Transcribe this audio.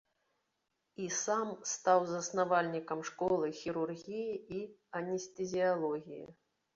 І сам стаў заснавальнікам школы хірургіі і анестэзіялогіі.